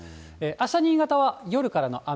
あした、新潟は夜からの雨。